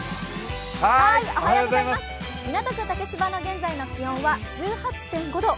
港区竹芝の現在の気温は１８．５度。